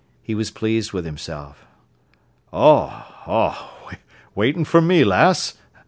He was pleased with himself. "Oh! Oh! waitin' for me, lass?